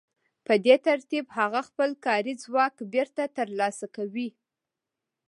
په دې ترتیب هغه خپل کاري ځواک بېرته ترلاسه کوي